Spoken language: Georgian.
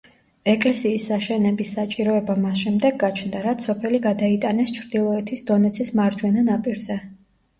ეკლესიის აშენების საჭიროება მას შემდეგ გაჩნდა, რაც სოფელი გადაიტანეს ჩრდილოეთის დონეცის მარჯვენა ნაპირზე.